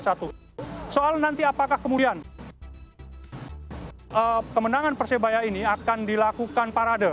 soal nanti apakah kemudian kemenangan persebaya ini akan dilakukan parade